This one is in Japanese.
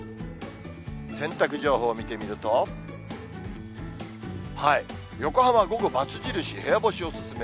洗濯情報見てみると、横浜、午後バツ印、部屋干しお勧め。